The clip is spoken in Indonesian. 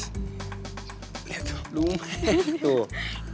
iya tuh lumayan tuh